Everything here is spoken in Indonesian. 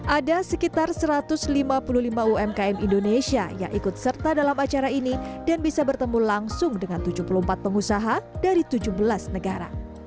ada sekitar satu ratus lima puluh lima umkm indonesia yang ikut serta dalam acara ini dan bisa bertemu langsung dengan tujuh puluh empat pengusaha dari tujuh belas negara